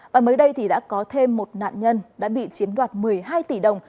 và mới đây đã có thêm một nạn nhân đã bị chiến đoạt một mươi hai tỷ đồng